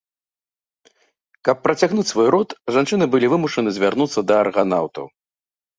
Каб працягнуць свой род, жанчыны былі вымушаны звярнуцца да арганаўтаў.